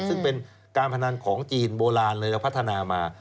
ซึ่งเป็นการพนันของจีนโบราณเลยเราพัฒนามา